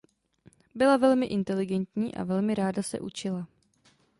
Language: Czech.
Byla velmi inteligentní a velmi ráda se učila.